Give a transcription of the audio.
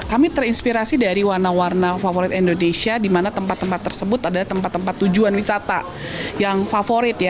kami terinspirasi dari warna warna favorit indonesia di mana tempat tempat tersebut adalah tempat tempat tujuan wisata yang favorit ya